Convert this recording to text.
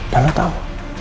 dan lu tau